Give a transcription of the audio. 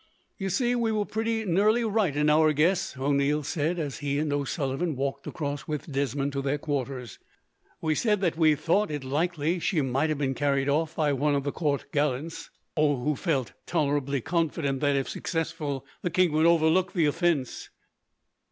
"You see, we were pretty nearly right in our guess," O'Neil said, as he and O'Sullivan walked across with Desmond to their quarters. "We said that we thought it likely she might have been carried off by one of the court gallants, who felt tolerably confident that, if successful, the king would overlook the offence.